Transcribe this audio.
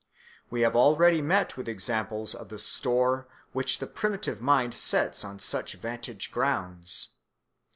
We have already met with examples of the store which the primitive mind sets on such vantage grounds.